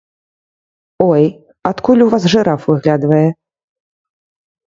Ой, адкуль у вас жыраф выглядвае!